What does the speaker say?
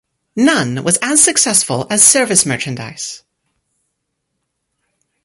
None was as successful as Service Merchandise.